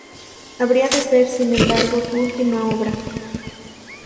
Habría de ser sin embargo su última obra.